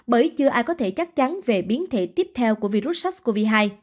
bởi chưa ai có thể chắc chắn về biến thể tiếp theo của virus sars cov hai